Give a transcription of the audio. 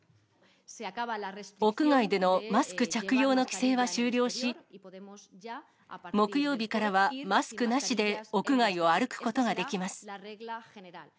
屋外でのマスク着用の規制は終了し、木曜日からはマスクなしで屋外を歩くことができます。